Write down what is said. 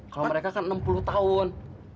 kalau mereka kan enam puluh tahun